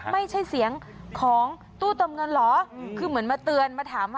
ไม่ใช่เสียงของตู้เติมเงินเหรอคือเหมือนมาเตือนมาถามว่า